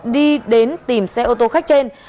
đi đến tìm xe ô tô khách trên